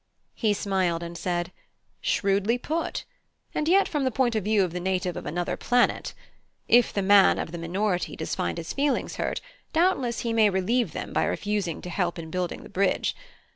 He smiled, and said: "Shrewdly put; and yet from the point of view of the native of another planet. If the man of the minority does find his feelings hurt, doubtless he may relieve them by refusing to help in building the bridge.